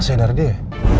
saya dari dia